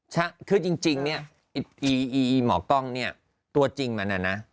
ใช่คือจริงเนี่ยไอ้อีหมอกล้องเนี่ยตัวจริงมันน่ะนะ